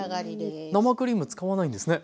生クリーム使わないんですね。